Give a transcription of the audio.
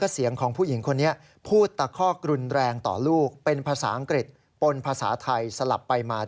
เสียงของผู้หญิงคนนี้พูดตะคอกรุนแรงต่อลูกเป็นภาษาอังกฤษปนภาษาไทยสลับไปมา